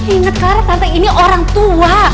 ingat karena tante ini orang tua